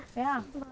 thật quá lạnh